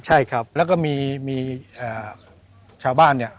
ใช่ครับแล้วก็มีชาวบ้านเนี่ย